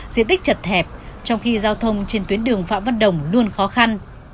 diện tích chật hẹp trong khi giao thông trên tuyến đường phạm văn đồng luôn khó khăn